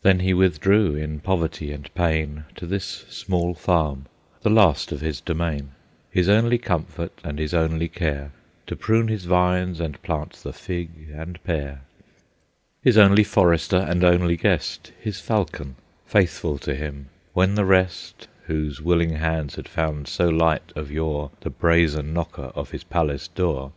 Then he withdrew, in poverty and pain, To this small farm, the last of his domain, His only comfort and his only care To prune his vines, and plant the fig and pear; His only forester and only guest His falcon, faithful to him, when the rest, Whose willing hands had found so light of yore The brazen knocker of his palace door.